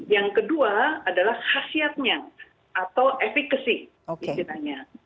yang kedua adalah khasiatnya atau efekasi istilahnya